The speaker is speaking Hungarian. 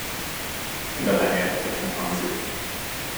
Igazán érdekesnek hangzik.